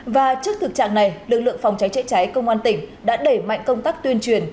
và trước thực trạng này lực lượng phòng cháy chữa cháy công an tỉnh đã đẩy mạnh công tác tuyên truyền